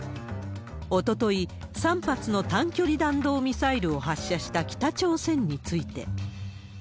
おととい、３発の短距離弾道ミサイルを発射した北朝鮮について。